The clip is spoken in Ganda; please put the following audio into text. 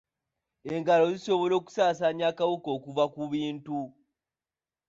Engalo zisobola okusaasaanya akawuka okuva ku bintu.